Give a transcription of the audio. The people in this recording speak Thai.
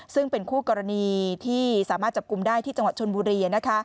ซึ่งเป็นคู่กรณีที่สามารถจับกลุ่มได้ที่จังหวัดชนบุรี